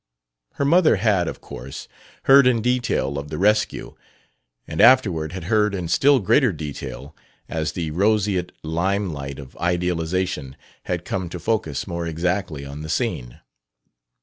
Her mother had, of course, heard in detail of the rescue; and afterward had heard in still greater detail, as the roseate lime light of idealization had come to focus more exactly on the scene.